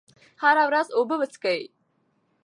هره ورځ اوبه وڅښئ.